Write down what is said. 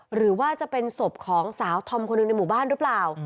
หรือว่าจะเป็นศพของสาวธอมคนหนึ่งในหมู่บ้านหรือเปล่า